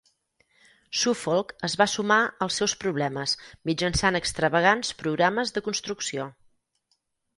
Suffolk es va sumar als seus problemes mitjançant extravagants programes de construcció.